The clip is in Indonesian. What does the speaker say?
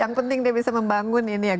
yang penting dia bisa membangun ini ya